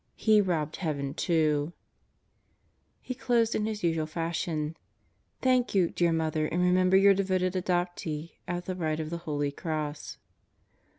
He robbed heaven, too," He closed in his usual fashion: "Thank you, dear Mother, and remember your devoted adoptee at the right of the Holy Cross.